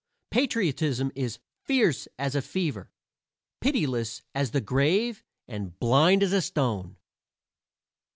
Patriotism is fierce as a fever, pitiless as the grave and blind as a stone.